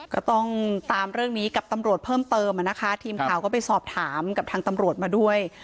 ก็ต้องตามเรื่องนี้กับตำรวจเพิ่มเติมอ่ะนะคะทีมข่าวก็ไปสอบถามกับทางตำรวจมาด้วย